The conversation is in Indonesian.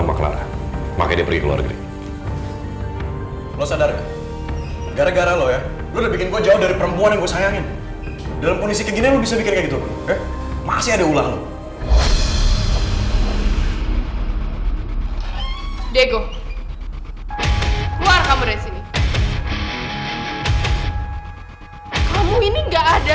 sampai jumpa di video selanjutnya